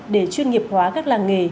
để chuyên nghiệp hóa các làng nghề